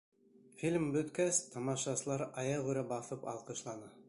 Фильм бөткәс, тамашасылар аяғүрә баҫып алҡышланы.